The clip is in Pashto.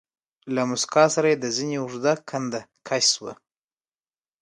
له موسکا سره يې د زنې اوږده کنده کش شوه.